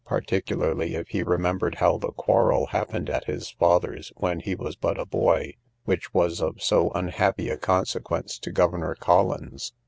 particularly if he remembered how the quarrel happened at his father's (when he was but a boy) which was of so unhappy a consequence to Governor Collins?